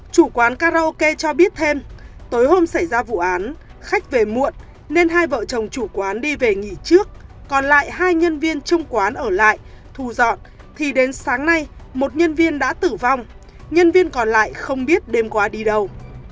chủ quán karaoke cho biết thêm tối hôm xảy ra vụ án khách về muộn nên hai vợ chồng chủ quán đi về nghỉ trước còn lại hai nhân viên chung quán ở lại thu dọn thì đến sáng nay một nhân viên đã tử vong nhân viên còn lại không biết đêm qua đi đâu